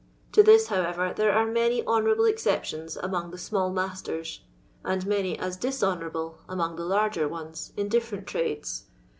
To this, however, there are many honourable ex ceptions among the small roasters, and many as dishonourable among the larger ones in different trader.